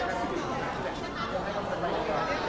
นี่ล่ะขอต้องการข้อมูลนะครับ